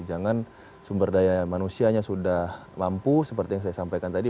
jangan sumber daya manusianya sudah mampu seperti yang saya sampaikan tadi